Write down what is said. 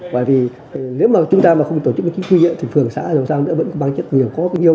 bởi vì nếu mà chúng ta không tổ chức chính quyền địa phương xã rồi sao nữa vẫn băng chất nhiều